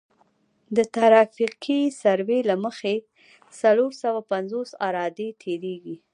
د ترافیکي سروې له مخې څلور سوه پنځوس عرادې تیریږي